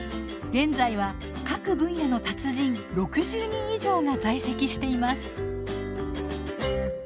現在は各分野の達人６０人以上が在籍しています。